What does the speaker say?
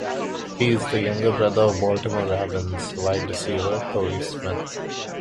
He is the younger brother of Baltimore Ravens wide receiver, Torrey Smith.